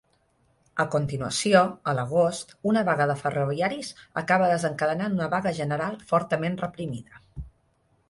A continuació, a l'Agost, una vaga de ferroviaris acaba desencadenant una vaga general fortament reprimida.